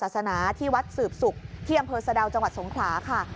ตามศาสนาที่วัดสืบสุขเคียงอำเภอสาเดลวันสงคราค่ะ